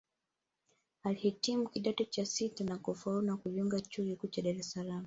Alihitimu Kidato cha sita na kufaulu na kujiunga Chuo kikuu cha Dar es salaam